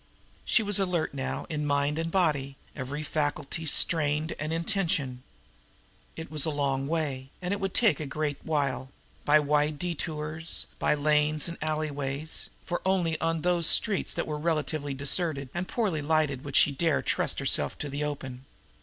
She was alert now in mind and body, every faculty strained and in tension. It was a long way, and it would take a great while by wide detours, by lanes and alleyways, for only on those streets that were relatively deserted and poorly lighted would she dare trust herself to the open.